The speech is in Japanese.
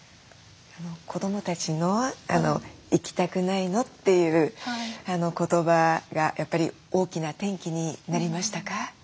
子どもたちの「行きたくないの？」というあの言葉がやっぱり大きな転機になりましたか？